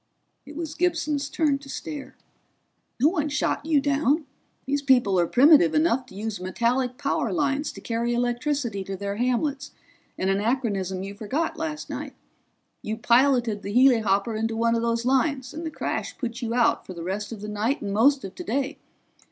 It was Gibson's turn to stare. "No one shot you down! These people are primitive enough to use metallic power lines to carry electricity to their hamlets, an anachronism you forgot last night. You piloted the helihopper into one of those lines, and the crash put you out for the rest of the night and most of today.